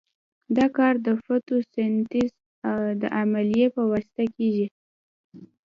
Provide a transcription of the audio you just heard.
دا کار د فوتو سنتیز د عملیې په واسطه کیږي.